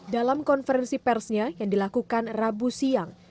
dalam konferensi persnya yang dilakukan rabu siang